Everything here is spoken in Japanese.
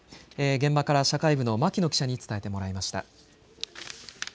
現場から社会部の牧野記者に伝えてもらいました。